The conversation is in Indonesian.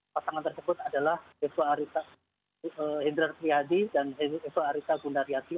pasangan tersebut adalah hezbo arissa hindra trihadi dan hezbo arissa gundariati